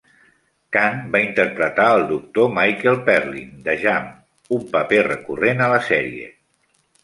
Cann va interpretar el doctor Michael Perlin de "Jam", un paper recurrent a la sèrie.